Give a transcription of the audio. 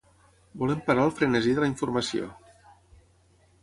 Volem parar el frenesí de la informació.